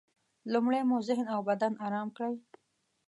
لومړی مو ذهن او بدن ارام کړئ.